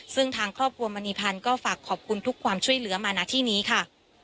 ซึ่งทางครอบครัวมณีพันธ์ก็ฝากขอบคุณทุกความช่วยเหลือมาณที่นี้ค่ะ